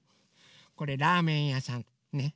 これラーメンやさんね！